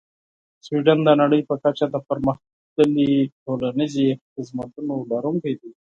سویدن د نړۍ په کچه د پرمختللې ټولنیزې خدمتونو لرونکی دی.